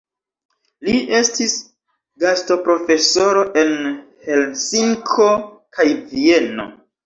Li estis gastoprofesoro en Helsinko kaj Vieno.